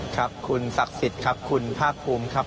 ครับคุณศักดิ์สิทธิ์ครับคุณภาคภูมิครับ